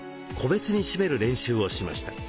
個別に締める練習をしました。